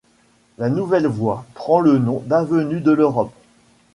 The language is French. La nouvelle voie prend le nom d'avenue de l'Europe.